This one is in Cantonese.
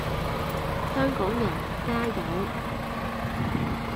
香港人加油